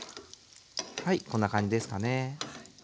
はいこんな感じですかね。